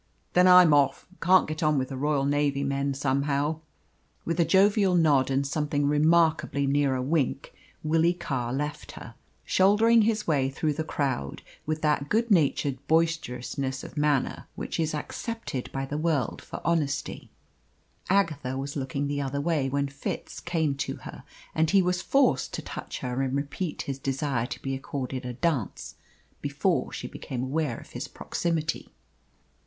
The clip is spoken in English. "Then I'm off. Can't get on with Royal Navy men, somehow." With a jovial nod and something remarkably near a wink, Willie Carr left her, shouldering his way through the crowd with that good natured boisterousness of manner which is accepted by the world for honesty. Agatha was looking the other way when Fitz came to her, and he was forced to touch her and repeat his desire to be accorded a dance before she became aware of his proximity.